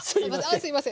すいません。